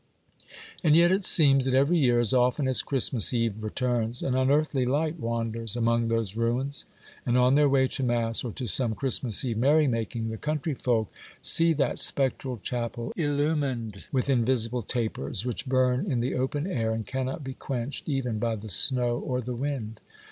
And yet it seems that every year, as often as Christmas eve returns, an unearthly light wanders among those ruins, and on their way to mass or to some Christmas eve merrymaking, the country folk see that spectral chapel illumined with invisible tapers, which burn in the open air and cannot be quenched even by the snow or the wind.